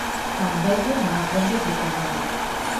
Can vello non aprende truco novo.